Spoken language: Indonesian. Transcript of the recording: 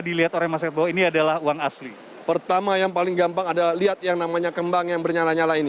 dilihat oleh masyarakat ini adalah uang asli pertama yang paling gampang ada lihat yang namanya